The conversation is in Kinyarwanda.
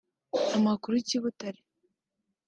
Amakuru ki Butare